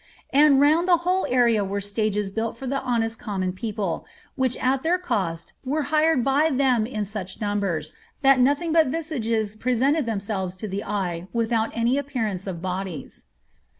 ^ And roand the whole area were stages built for the honest conunon people^ which at their cost were hired by them in such numbers, that nothing hut visages presented themselves to the eye, without any appearance of bodies